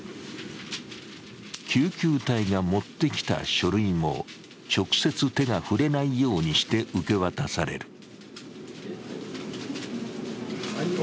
救急隊が持ってきた書類も直接手が触れないようにして受け渡される。